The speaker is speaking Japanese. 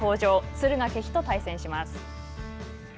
敦賀気比と対戦します。